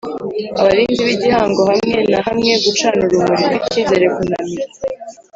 Abarinzi b igihango hamwe na hamwe gucana urumuri rw icyizere kunamira